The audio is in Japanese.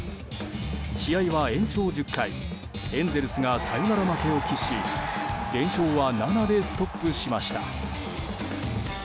試合は延長１０回エンゼルスがサヨナラ負けを喫し連勝は７でストップしました。